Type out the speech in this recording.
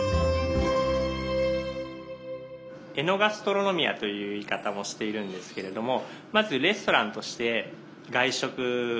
「エノガストロノミア」という言い方をしているんですけれどもまずレストランとして外食を楽しんで頂ける。